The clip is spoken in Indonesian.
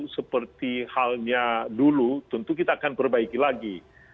seperti halnya dulu tentu kita akan perbaiki lagi